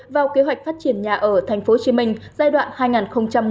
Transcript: vào kế hoạch phát triển nhà ở tp hcm giai đoạn hai nghìn một mươi sáu hai nghìn hai mươi